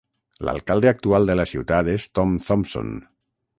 L'alcalde actual de la ciutat és Tom Thompson.